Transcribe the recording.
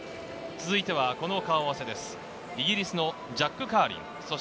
続いてはこの顔合わせです。